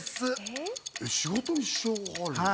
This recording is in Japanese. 仕事に支障がある？